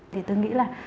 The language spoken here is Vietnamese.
thì tôi nghĩ là